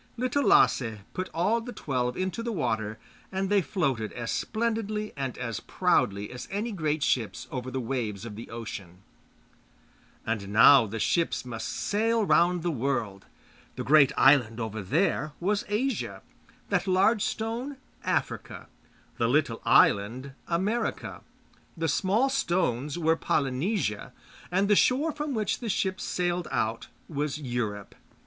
Little Lasse put all the twelve into the water, and they floated as splendidly and as proudly as any great ships over the waves of the ocean. And now the ships must sail round the world. The great island over there was Asia; that large stone Africa; the little island America; the small stones were Polynesia; and the shore from which the ships sailed out was Europe.